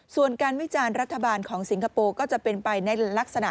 ส่วนการวิจารณ์รัฐบาลของสิงคโปร์ก็จะเป็นไปในลักษณะ